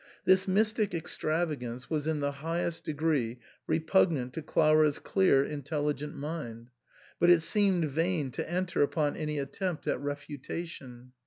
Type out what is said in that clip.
This mystic extravagance was in the highest degree repugnant to Clara's clear intelligent mind, but it seemed vain to enter upon any attempt at refutation.